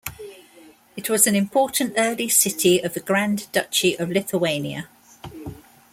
It was an important early city of the Grand Duchy of Lithuania.